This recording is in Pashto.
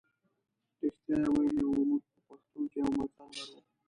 رښتیا یې ویلي وو موږ په پښتو کې یو متل لرو.